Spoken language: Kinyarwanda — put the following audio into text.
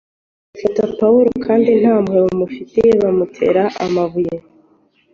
bafata Pawulo kandi nta mpuhwe bamufitiye bamutera amabuye.